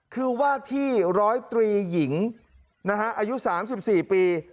คือว่าที่ร้อยตรีหญิงนะฮะอายุสามสิบสี่ปี